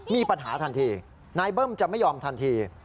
มีปัญหาทันทีนายเบิ้มจะไม่ยอมทันที